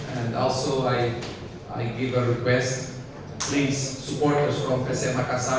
dan juga saya memberikan permintaan tolong support psm makassar